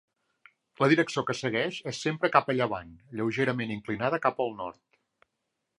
La direcció que segueix és sempre cap a llevant, lleugerament inclinada cap al nord.